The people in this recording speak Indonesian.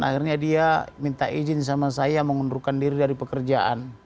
akhirnya dia minta izin sama saya mengundurkan diri dari pekerjaan